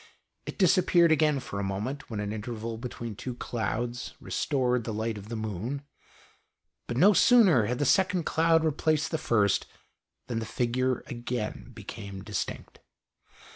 It disappeared again for a moment, when an interval between two clouds restored the light of the moon ; but no sooner had the second cloud replaced the first than the figure again became distinct.